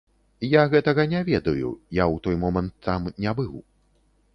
Я гэтага не ведаю, я ў той момант там не быў.